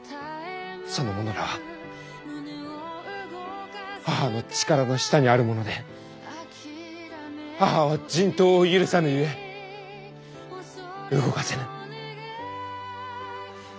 その者らは母の力の下にある者で母は人痘を許さぬゆえ動かせぬ。